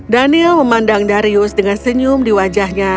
daniel memandang darius dengan senyum di wajahnya